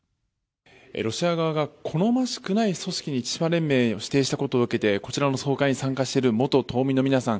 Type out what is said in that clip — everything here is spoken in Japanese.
ロシア側が好ましくない組織に千島連盟を指定したことを受けてこちらの総会に参加している元島民の皆さん